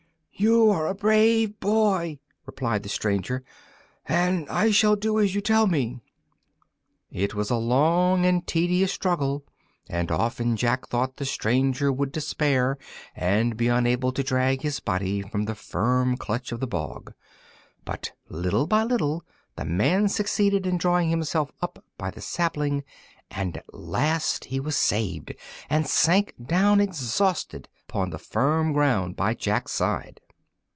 "You are a brave boy," replied the stranger, "and I shall do as you tell me." It was a long and tedious struggle, and often Jack thought the stranger would despair and be unable to drag his body from the firm clutch of the bog; but little by little the man succeeded in drawing himself up by the sapling, and at last he was saved, and sank down exhausted upon the firm ground by Jack's side.